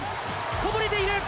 こぼれている！